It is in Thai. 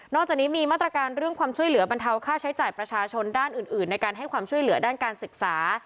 จากนี้มีมาตรการเรื่องความช่วยเหลือบรรเทาค่าใช้จ่ายประชาชนด้านอื่นในการให้ความช่วยเหลือด้านการศึกษา